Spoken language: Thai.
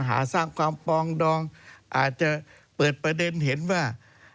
หาสร้างความปองดองอาจจะเปิดประเด็นเห็นว่า